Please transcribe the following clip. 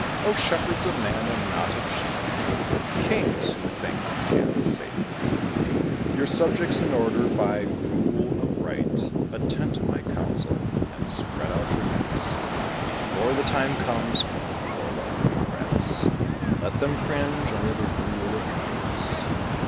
Oh, shepherds of men, and not of sheep; Kings, who think you can safely keep Your subjects in order by rule of right, Attend to my counsel, and spread out your nets, Before the time comes for forlorn regrets, And let them cringe, under the rule of might.